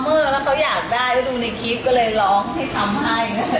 ทำเอง